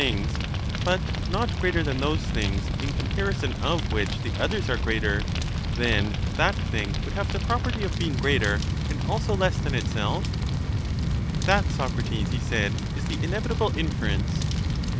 yitized by Google 80 CHARMIDES but not greater than those things in comparison of which the others are greater, then that thing would have the property of being greater and also less than itself? That, Socrates, he said, is the inevitable inference.